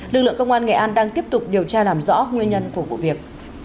lực lượng công an nghệ an đang tiếp tục điều tra làm rõ nguyên nhân của vụ việc